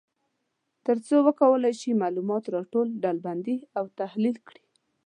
تر څو وکولای شي معلومات را ټول، ډلبندي او تحلیل کړي.